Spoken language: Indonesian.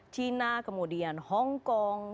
china kemudian hongkong